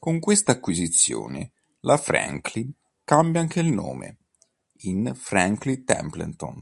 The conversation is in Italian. Con questa acquisizione, la Franklin cambia anche il nome in Franklin Templeton.